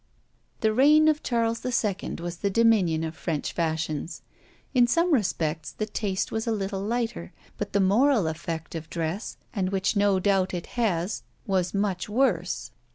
The reign of Charles II. was the dominion of French fashions. In some respects the taste was a little lighter, but the moral effect of dress, and which no doubt it has, was much worse.